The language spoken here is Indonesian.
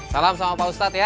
salam sama pak ustadz ya